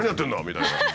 みたいな。